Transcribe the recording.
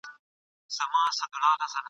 په هوا به دي تر بله ډنډه یوسو !.